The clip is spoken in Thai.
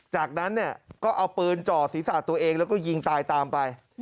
จากนั้นเนี่ยก็เอาปืนจ่อศีรษะตัวเองแล้วก็ยิงตายตามไป